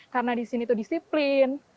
karena di sini itu disiplin